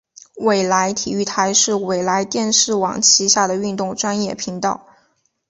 纬来体育台是纬来电视网旗下的运动专业频道。